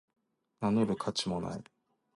名乗る価値もない